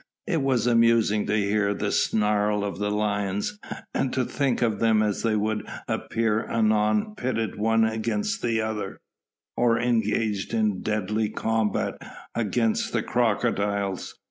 It was amusing to hear the snarl of the lions and to think of them as they would appear anon pitted one against the other, or engaged in deadly combat against the crocodiles.